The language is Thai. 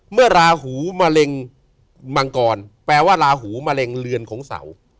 เมื่อราหูมะเร็งมังกรแปลว่าลาหูมะเร็งเรือนของเสา